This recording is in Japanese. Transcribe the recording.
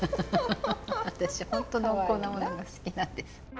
私本当濃厚なものが好きなんです。